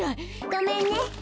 ごめんね。